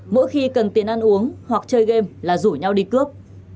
mỗi khi cần tiền ăn uống hoặc chơi game là rủ nhau đi cướp